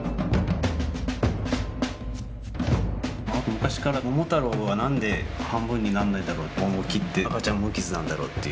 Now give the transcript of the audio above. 昔から桃太郎は何で半分になんないんだろう桃切って赤ちゃん無傷なんだろうっていう。